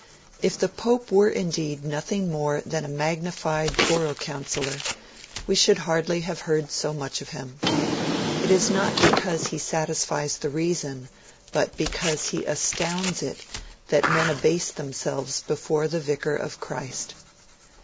If the Pope were indeed nothing more than a magnified Borough Councillor, we should hardly have heard so much of him. It is not because he satisfies the reason, but because he astounds it, that men abase themselves before the Vicar of Christ.